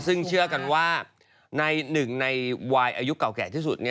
ซึ่งเชื่อกันว่าในหนึ่งในวัยอายุเก่าแก่ที่สุด